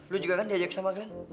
lo juga kan diajak sama glen